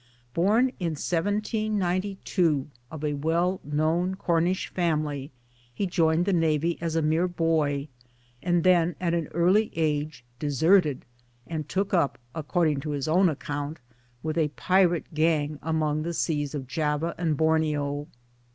Born in 1792 of a well known Cornish family he joined the Navy as a mere boy, and then at an early age deserted and took up, according to his own account, with a pirate gang among the seas of Java and Borneo.